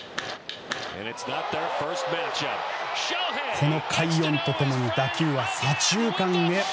この快音と共に打球は左中間へ。